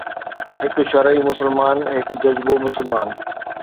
هڪ شرعي مسلمان، هڪ جذبو مسلمان